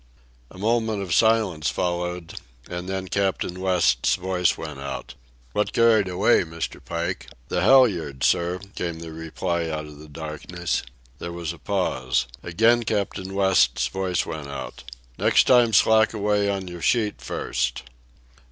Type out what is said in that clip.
A moment of silence followed, and then Captain West's voice went out: "What carried away, Mr. Pike?" "The halyards, sir," came the reply out of the darkness. There was a pause. Again Captain West's voice went out. "Next time slack away on your sheet first."